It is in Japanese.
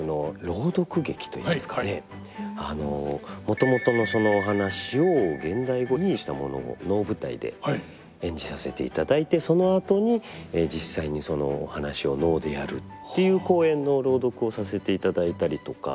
もともとのそのお話を現代語にしたものを能舞台で演じさせていただいてそのあとに実際にそのお話を能でやるっていう公演の朗読をさせていただいたりとか。